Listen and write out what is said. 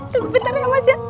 tuh bentar ya mas ya